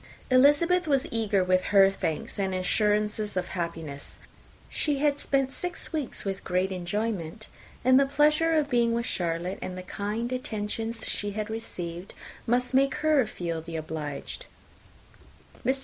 Elizabeth was eager with her thanks and assurances of happiness. She had spent six weeks with great enjoyment; and the pleasure of being with Charlotte, and the kind attention she had received, must make her feel the obliged. Mr.